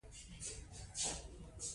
هغه د دې وضعیت پر شتون قایل دی.